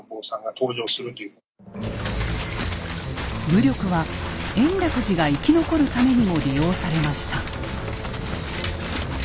武力は延暦寺が生き残るためにも利用されました。